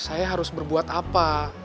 saya harus berbuat apa